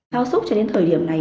phao sốt cho đến thời điểm này